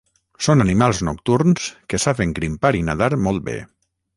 Són animals nocturns que saben grimpar i nadar molt bé.